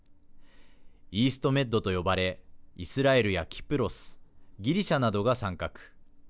イーストメッドと呼ばれイスラエルやキプロスギリシャなどが参画。